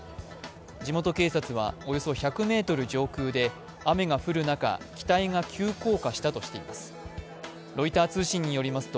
地元警察は、およそ１００ｍ上空で雨が降る中、機体が急降下したとしています。